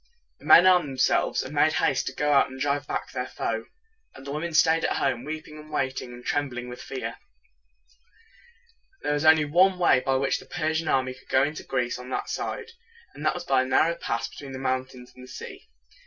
The men armed themselves, and made haste to go out and drive back their foe; and the women staid at home, weeping and waiting, and trembling with fear. There was only one way by which the Per sian army could go into Greece on that side, and that was by a narrow pass between the mountains and the sea.